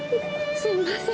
すいません。